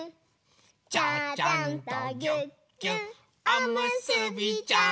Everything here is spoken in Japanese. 「ちゃちゃんとぎゅっぎゅっおむすびちゃん」